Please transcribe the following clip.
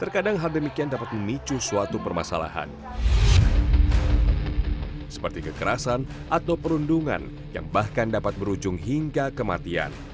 kekerasan atau perundungan yang bahkan dapat berujung hingga kematian